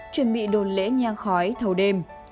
chuẩn bị đồ lễ nhang khói thầu đêm